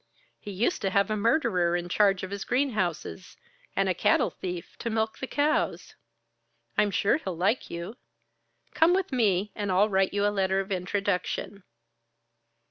He used to have a murderer in charge of his greenhouses, and a cattle thief to milk the cows. I'm sure he'll like you. Come with me, and I'll write you a letter of introduction."